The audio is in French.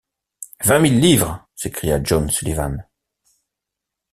Vingt mille livres! s’écria John Sullivan.